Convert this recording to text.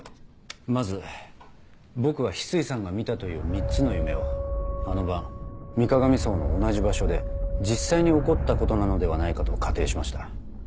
まず僕は翡翠さんが見たという３つの夢をあの晩水鏡荘の同じ場所で実際に起こったことなのではないかと仮定しました。